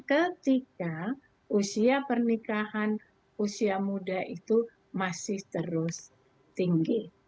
ketika usia pernikahan usia muda itu masih terus tinggi